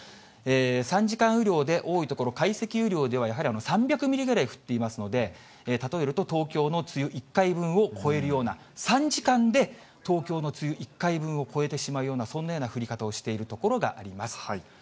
３時間雨量で多い所、解析雨量ではやはり３００ミリぐらい降っていますので、例えると東京の梅雨１回分を超えるような、３時間で東京の梅雨１回分を超えてしまうようなそんな降り方をしている所があります。